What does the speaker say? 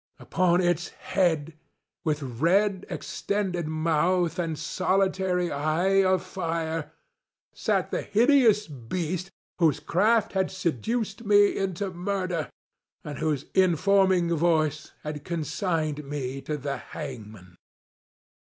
Upon its head, with red extended mouth and solitary eye of fire, sat the hideous beast whose craft had seduced me into murder, and whose informing voice had consigned me to the hangman.